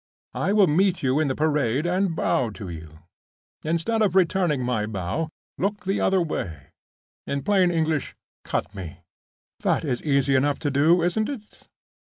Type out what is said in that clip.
I will meet you on the Parade, and bow to you. Instead of returning my bow, look the other way. In plain English, cut me! That is easy enough to do, isn't it?"